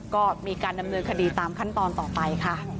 ก็มีการดำเนินคดีตามขั้นตอนต่อไปค่ะ